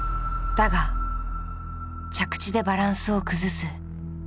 だが着地でバランスを崩す。